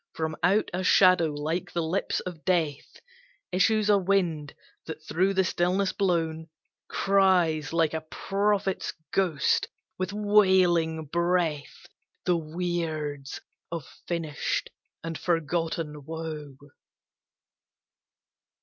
From out a shadow like the lips of Death Issues a wind, that through the stillness blown, Cries like a prophet's ghost with wailing breath The weirds of finished and forgotten woe.